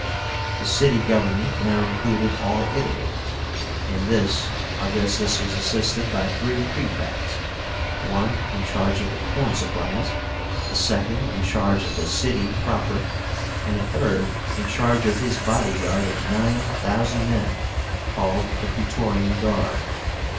The city government now included all Italy. In this Augustus was assisted by three Praefects; one in charge of the corn supplies, a second in charge of the city proper, and a third in charge of his body guard of nine thousand men, called the PRAETORIAN GUARD.